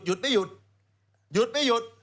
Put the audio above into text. อย่าหยุด